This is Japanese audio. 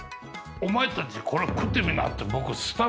「お前たちこれ食ってみな」